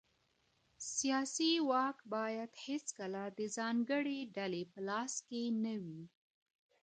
سياسي واک بايد هيڅکله د ځانګړې ډلې په لاس کي نه وي.